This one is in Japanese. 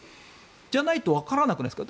じゃないとわからなくないですか？